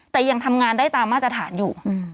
แต่ยังทำงานได้ตามมาตรฐานอยู่